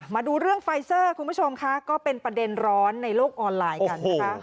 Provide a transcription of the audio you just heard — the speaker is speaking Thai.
มาดูเรื่องไฟเซอร์คุณผู้ชมค่ะก็เป็นประเด็นร้อนในโลกออนไลน์กันนะคะ